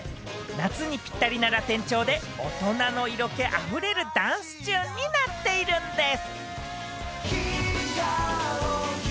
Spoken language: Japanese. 夏にぴったりなラテン調で、大人の色気あふれるダンスチューンになっているんでぃす。